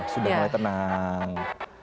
sudah mulai tenang